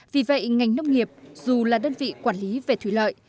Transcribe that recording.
vì vậy ngành nông nghiệp dù là đơn vị quản lý về thủy lợi